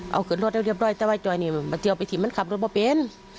เอาเกิดรถแล้วเรียบร้อยแต่ว่าไอ้จอยนี่มันจะเอาไปถิ่มมันขับรถไม่เป็น